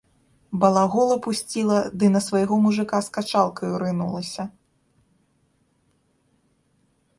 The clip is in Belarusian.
Балагола пусціла ды на свайго мужыка з качалкаю рынулася.